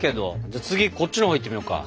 じゃあ次こっちのほういってみようか。